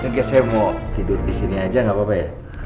nanti saya mau tidur di sini aja gak apa apa ya